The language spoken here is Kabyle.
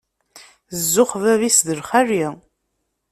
Zzux bab-is d lxali.